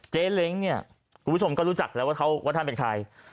เล้งเนี่ยคุณผู้ชมก็รู้จักแล้วว่าท่านเป็นใคร